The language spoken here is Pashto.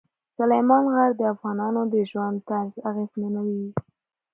سلیمان غر د افغانانو د ژوند طرز اغېزمنوي.